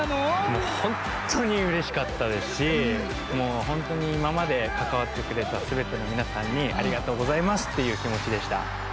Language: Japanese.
もうほんとにうれしかったですしもうほんとにいままでかかわってくれたすべてのみなさんにありがとうございますっていうきもちでした。